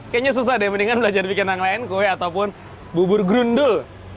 kayaknya susah deh mendingan belajar bikin yang lain kue ataupun bubur grundul